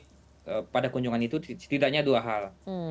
mereka mengukur dampak politik pada kunjungan itu setidaknya dua hal